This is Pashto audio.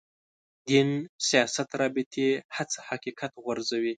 دین سیاست رابطې هڅه حقیقت غورځوي.